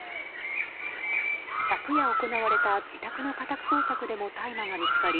昨夜行われた自宅の家宅捜索でも大麻が見つかり